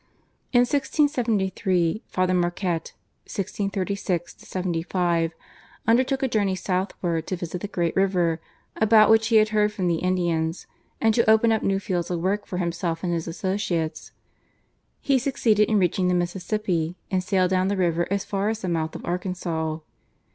In 1673 Father Marquette (1636 75) undertook a journey southward to visit the great river about which he had heard from the Indians, and to open up new fields of work for himself and his associates. He succeeded in reaching the Mississippi, and sailed down the river as far as the mouth of Arkansas.